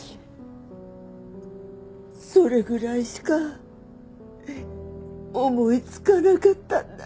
それぐらいしか思いつかなかったんだ。